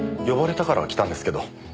呼ばれたから来たんですけど。